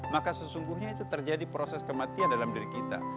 maka sesungguhnya itu terjadi proses kematian dalam diri kita